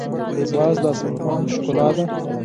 باز د اسمان ښکلا ده